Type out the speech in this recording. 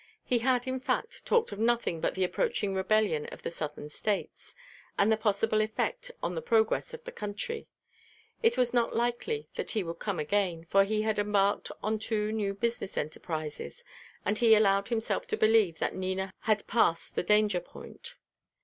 He had, in fact, talked of nothing but the approaching rebellion of the Southern States, and the possible effect on the progress of the country. It was not likely that he would come again, for he had embarked on two new business enterprises, and he allowed himself to believe that Nina had passed the danger point.